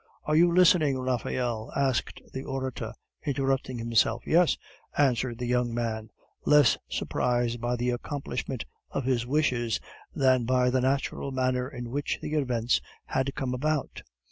Are you listening, Raphael?" asked the orator, interrupting himself. "Yes," answered the young man, less surprised by the accomplishment of his wishes than by the natural manner in which the events had come about.